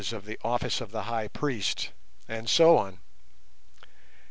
_, of the office of the High Priest, and so on.